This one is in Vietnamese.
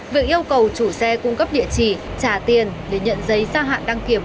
việc yêu cầu chủ xe cung cấp địa chỉ trả tiền để nhận giấy ra hạn đăng kiểm